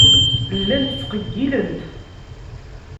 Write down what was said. Llant ttqeyyilent.